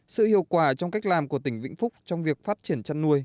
sự hiệu quả trong cách làm của tỉnh vĩnh phúc trong việc phát triển chăn nuôi